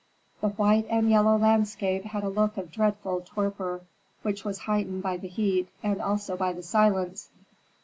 The white and yellow landscape had a look of dreadful torpor, which was heightened by the heat, and also by the silence.